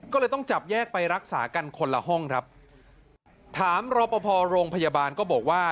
ก็เลยต้องจับแยกไปรักษากันคนละห้องครับถามรอปภโรงพยาบาลก็บอกว่า